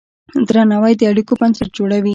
درناوی د اړیکو بنسټ جوړوي.